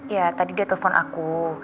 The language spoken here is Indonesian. ya tadi dia telpon aku